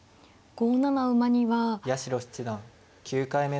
５七馬には。